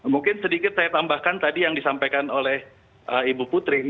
mungkin sedikit saya tambahkan tadi yang disampaikan oleh ibu putri